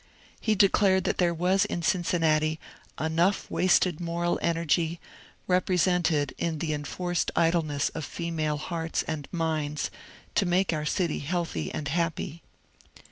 He declared that there was in Cincinnati enough wasted moral energy, represented in the enforced idleness of female hearts and minds, to make our city healthy and happy.